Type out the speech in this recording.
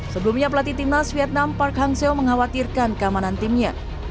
sebelumnya pelatih timnas vietnam park hangzhou mengkhawatirkan keamanan timnya